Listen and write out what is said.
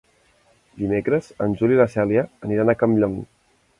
Dimecres en Juli i na Cèlia iran a Campllong.